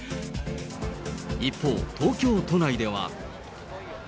一方、東京都内では。